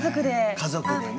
家族でね。